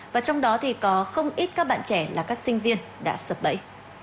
và trong đó thì có không ít các bạn trẻ là các sinh viên đã sập bẫy